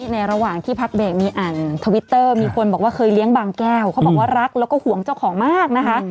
ระหว่างที่พักเบรกมีอ่านทวิตเตอร์มีคนบอกว่าเคยเลี้ยงบางแก้วเขาบอกว่ารักแล้วก็ห่วงเจ้าของมากนะคะ